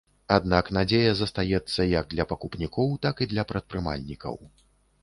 Аднак надзея застаецца як для пакупнікоў, так і для прадпрымальнікаў.